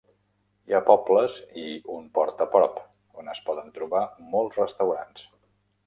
Hi ha pobles i un port a prop, on es poden trobar molts restaurants.